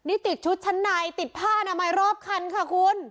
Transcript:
นี่ติดชุดชั้นในติดผ้าอนามัยรอบคันค่ะคุณ